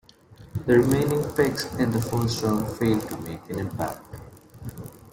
The remaining picks in the first round failed to make an impact.